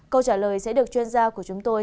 câu trả lời sẽ được chuyên gia của chúng tôi